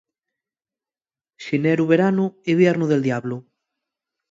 Xineru veranu, iviernu del diablu.